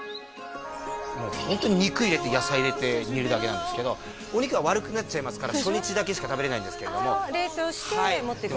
もうホントに肉入れて野菜入れて煮るだけなんですけどお肉は悪くなっちゃいますから初日だけしか食べれないあ冷凍して持っていくのかな？